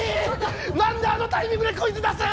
何であのタイミングでクイズ出すん？